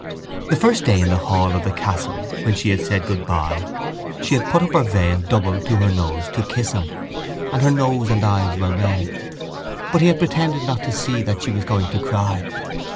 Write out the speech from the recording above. The first day in the hall of the castle when she had said goodbye she had put up her veil double to her nose to kiss him: and her nose and eyes were red. But he had pretended not to see that she was going to cry.